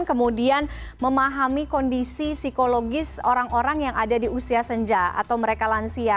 kemudian memahami kondisi psikologis orang orang yang ada di usia senja atau mereka lansia